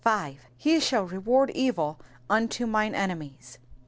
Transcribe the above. '*JJtf shall reward evU unto mine enemies."